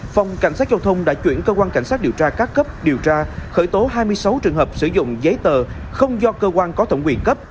phòng cảnh sát giao thông đã chuyển cơ quan cảnh sát điều tra các cấp điều tra khởi tố hai mươi sáu trường hợp sử dụng giấy tờ không do cơ quan có thẩm quyền cấp